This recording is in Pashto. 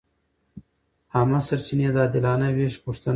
عامه سرچینې د عادلانه وېش غوښتنه کوي.